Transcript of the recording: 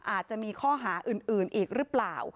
อาจจะมีข้อหาอื่นอีกหรือเปล่า